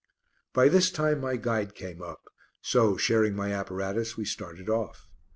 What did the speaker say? By this time my guide came up, so sharing my apparatus, we started off.